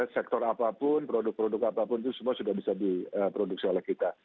sektor apapun produk produk apapun itu semua sudah bisa diproduksi oleh kita